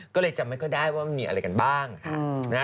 ก็เลยจำไม่ค่อยได้ว่ามันมีอะไรกันบ้าง